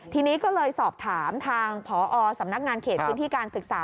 ทีนี้ก็เลยสอบถามทางพอสำนักงานเขตพื้นที่การศึกษา